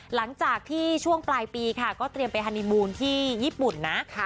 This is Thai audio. หลังจากที่ช่วงปลายปีค่ะก็เตรียมไปฮานีมูลที่ญี่ปุ่นนะ